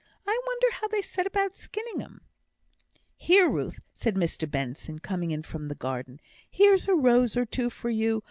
"I wonder how they set about skinning 'em." "Here, Ruth," said Mr Benson, coming in from the garden, "here's a rose or two for you.